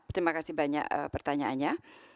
terima kasih banyak pertanyaannya